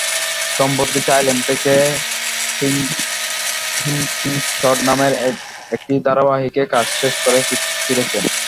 সম্প্রতি থাইল্যান্ড থেকে হিংটিংছট নামের একটি ধারাবাহিকে কাজ শেষ করে ফিরেছেন।